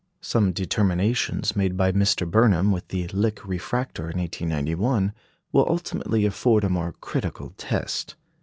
Some determinations made by Mr. Burnham with the Lick refractor in 1891, will ultimately afford a more critical test.